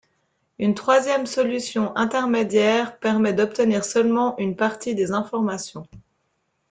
Une troisième solution intermédiaire permet d'obtenir seulement une partie des informations.